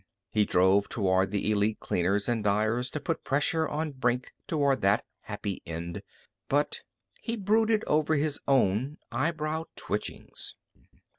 He drove toward the Elite Cleaners and Dyers to put pressure on Brink toward that happy end. But he brooded over his own eyebrow twitchings.